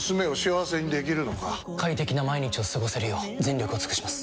快適な毎日を過ごせるよう全力を尽くします！